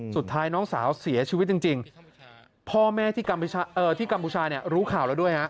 สุดท้ายน้องสาวเสียชีวิตจริงพ่อแม่ที่กัมพูชาเนี่ยรู้ข่าวแล้วด้วยฮะ